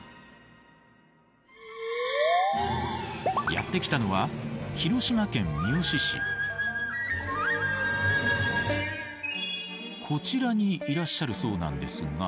やって来たのはこちらにいらっしゃるそうなんですが。